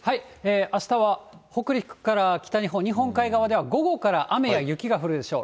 あしたは北陸から北日本、日本海側では午後から雨や雪が降るでしょう。